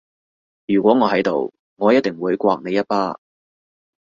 如果我喺度我一定會摑你一巴